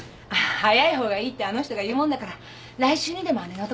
早いほうがいいってあの人が言うもんだから来週にでも姉のところへ。